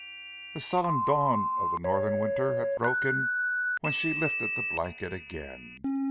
The sullen dawn of the Northern winter had broken when she lifted the blanket again.